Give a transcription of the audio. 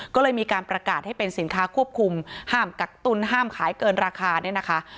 ก็เลยมีการประกาศให้เป็นสินค้าควบคุมห้ามกักตุ้นห้ามขายเกินราคาเนี่ยนะคะ